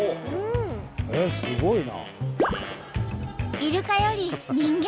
えっすごいな！